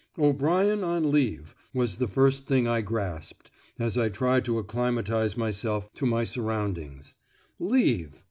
"O'Brien on leave" was the first thing I grasped, as I tried to acclimatise myself to my surroundings. Leave!